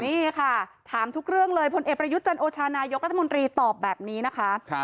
นี่ค่ะถามทุกเรื่องเลยพลเอกประยุทธ์จันโอชานายกรัฐมนตรีตอบแบบนี้นะคะ